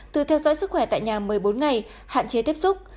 từ theo dõi sức khỏe tại nhà một mươi bốn ngày hạn chế tiếp xúc